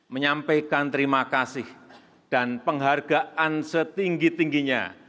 menyampaikan terima kasih dan penghargaan setinggi tingginya